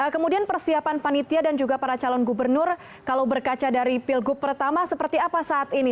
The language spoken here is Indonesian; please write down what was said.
kemudian persiapan panitia dan juga para calon gubernur kalau berkaca dari pilgub pertama seperti apa saat ini